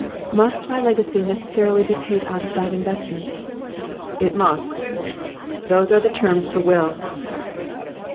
'Must my legacy necessarily be paid out of that investment?' 'It must. Those are the terms of the will.